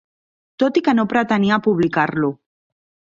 Tot i que no pretenia publicar-lo.